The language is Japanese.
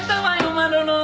マロロ。